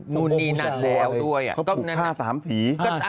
ก็ผูกผ้าสามสี